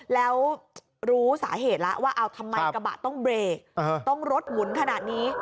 แล้วรู้สาเหตุแล้วว่าเอาทำไมกระบะต้องเบรกต้องรถหมุนขนาดนี้